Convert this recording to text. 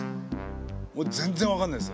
もう全然分かんないです。